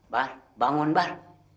bar bangun bar